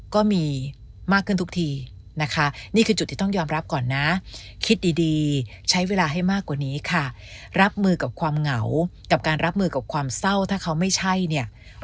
ก็มีมากขึ้นทุกที